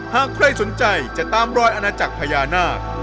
หากใครสนใจจะตามรอยอาณาจักรพญานาค